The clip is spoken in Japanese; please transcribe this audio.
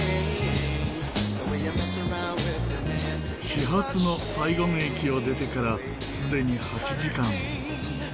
始発のサイゴン駅を出てからすでに８時間。